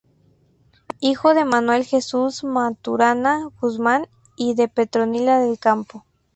Hijo de Manuel Jesús Maturana Guzmán y de Petronila del Campo.